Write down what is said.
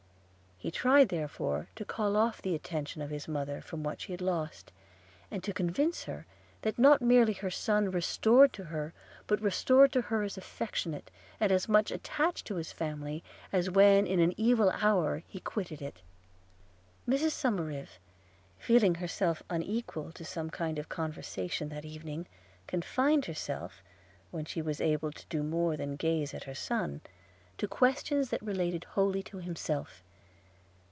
He tried therefore to call off the attention of his mother from what she had lost; and to convince her, that not merely her son restored to her, but restored to her as affectionate, and as much attached to his family, as when in an evil hour he quitted it. Mrs Somerive, feeling herself unequal to some kind of conversation that evening, confined herself, when she was able to do more than gaze at her son, to questions that related wholly to himself.